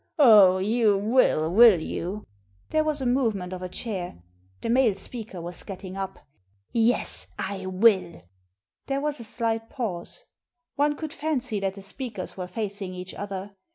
"Oh, you will, will you?" There was a movement of a chair. The male speaker was getting up. «Yes, IwilL" There was a slight pause. One could fancy that the speakers were facing each other.